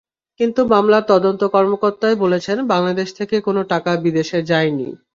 কিন্তু মামলার তদন্ত কর্মকর্তাই বলেছেন, বাংলাদেশ থেকে কোনো টাকা বিদেশে যায়নি।